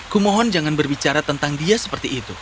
kumohon jangan berbicara tentang dia seperti itu